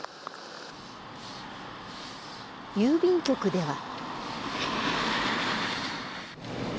郵便局では。